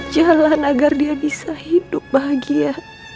jalan agar dia bisa hidup bahagia